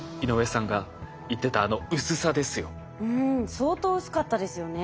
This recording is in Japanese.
相当薄かったですよね。